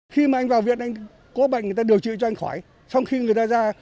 khi mà anh vào viện anh cố bệnh người ta điều trị cho anh khỏi xong khi người ta ra